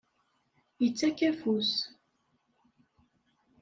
Ittak afus.